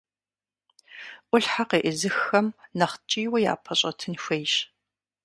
Ӏулъхьэ къеӀызыххэм, нэхъ ткӀийуэ япэщӀэтын хуейщ.